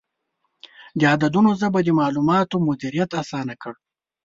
د عددونو ژبه د معلوماتو مدیریت اسانه کړ.